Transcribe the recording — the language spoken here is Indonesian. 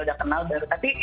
udah kenal baru